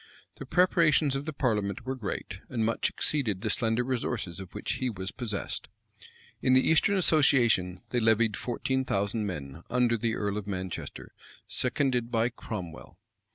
The preparations of the parliament were great, and much exceeded the slender resources of which he was possessed. In the eastern association they levied fourteen thousand men, under the earl of Manchester, seconded by Cromwell.